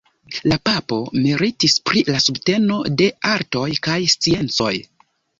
La papo meritis pri la subteno de artoj kaj sciencoj.